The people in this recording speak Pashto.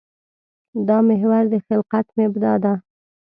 دا محور د خلقت مبدا ده.